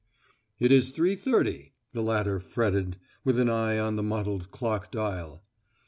"It is three thirty," the latter fretted, with an eye on the mottled clock dial.